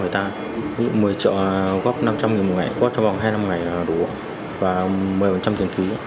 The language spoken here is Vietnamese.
một mươi triệu góp năm trăm linh nghìn một ngày góp cho vào hai mươi năm ngày là đủ và một mươi tiền phí